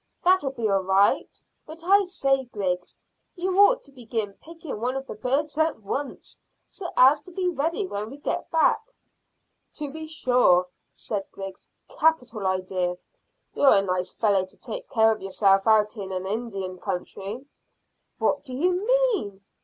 "That'll be all right. But I say, Griggs, you ought to begin picking one of the birds at once, so as to be ready when we get back." "To be sure," said Griggs; "capital idea. You're a nice fellow to take care of yourself out in an Indian country!" "What do you mean?"